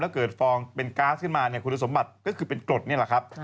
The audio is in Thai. เกิดฟองเป็นก๊าซขึ้นมาเนี่ยคุณสมบัติก็คือเป็นกรดนี่แหละครับ